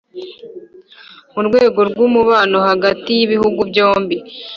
mu rwego rw'umubano hagti y'ibihugu byombi,